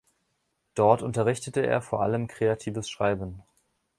Dort unterrichtete er vor allem kreatives Schreiben.